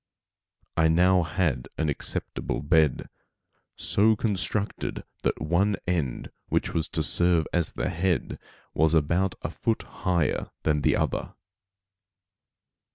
I now had an acceptable bed, so constructed that one end which was to serve as the head, was about a foot higher than the other.